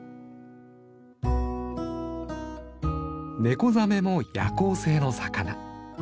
ネコザメも夜行性の魚。